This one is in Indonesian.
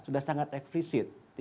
sudah sangat eksplisit